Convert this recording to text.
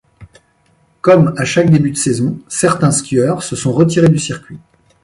Comme à chaque début de saison, certains skieurs se sont retirés du circuit.